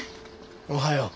おはよう。